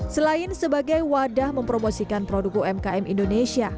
selain sebagai wadah mempromosikan produk umkm indonesia